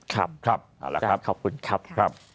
ครับเอาละครับขอบคุณครับ